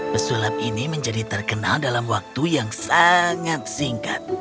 pesulap ini menjadi terkenal dalam waktu yang sangat singkat